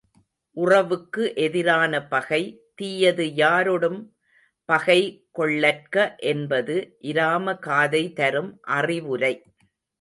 உறவுக்கு எதிரான பகை, தீயது யாரொடும் பகை கொள்ளற்க என்பது இராம காதை தரும் அறிவுரை.